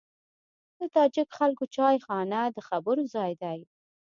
د تاجک خلکو چایخانه د خبرو ځای دی.